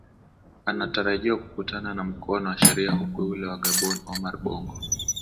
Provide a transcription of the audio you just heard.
anatarajiwa kukutana na mkono wa sheria huku yule wa gabon omar bongo